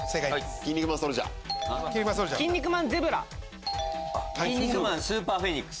キン肉マンスーパー・フェニックス。